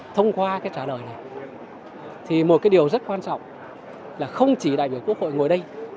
thông qua trả lời này một điều rất quan trọng là không chỉ đại biểu quốc hội ngồi đây